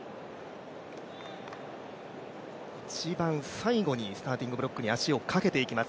一番最後にスターティングブロックに足をかけていきます